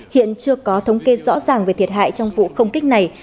hiện chưa có thống kê rõ ràng về thiệt hại trong vụ không kích này